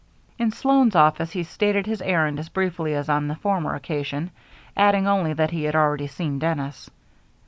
In Sloan's office he stated his errand as briefly as on the former occasion, adding only that he had already seen Dennis.